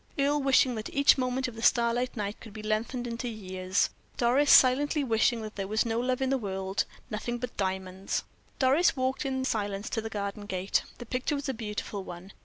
Earle wishing that each moment of the starlight night could be lengthened into years, Doris silently wishing that there was no love in the world nothing but diamonds. Doris walked in silence to the garden gate. The picture was a beautiful one.